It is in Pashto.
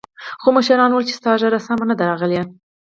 خو مشرانو ويل چې ستا ږيره سمه نه ده راغلې.